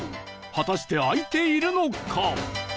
果たして開いているのか？